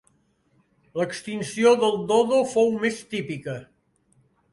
L'extinció del dodo fou més típica.